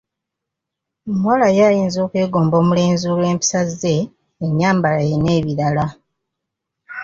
Omuwala ye ayinza okwegomba omulenzi olw'empisa ze, ennyambala ye n'ebirala.